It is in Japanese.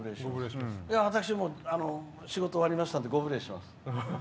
私も仕事終わりましたんでご無礼します。